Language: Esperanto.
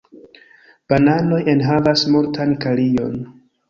Bananoj enhavas multan kalion.